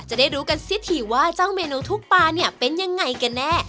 จะได้รู้กันซิทีว่าเจ้าเมนูทุกปลาเนี่ยเป็นยังไงกันแน่